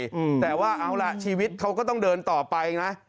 อืมแต่ว่าเอาล่ะชีวิตเขาก็ต้องเดินต่อไปนะ